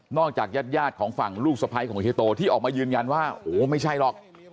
จากญาติของฝั่งลูกสะพ้ายของเฮโตที่ออกมายืนยันว่าโอ้ไม่ใช่หรอก